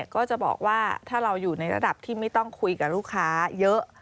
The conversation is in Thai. ก็จะบอกว่าถ้าเราอยู่ในระดับที่ไม่ต้องคุยกับลูกค้าเยอะ